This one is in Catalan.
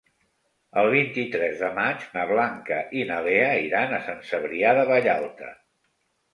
El vint-i-tres de maig na Blanca i na Lea iran a Sant Cebrià de Vallalta.